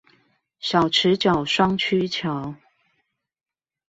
小池角雙曲橋